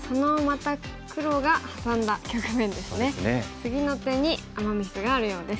次の手にアマ・ミスがあるようです。